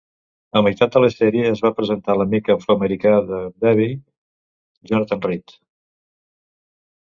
A meitat de la sèrie, es va presentar l'amic afroamericà de Davey, Jonathan Reed.